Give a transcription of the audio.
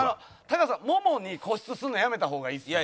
タカさん腿に固執するのやめた方がいいっすよ。